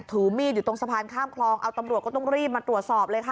ถือมีดอยู่ตรงสะพานข้ามคลองเอาตำรวจก็ต้องรีบมาตรวจสอบเลยค่ะ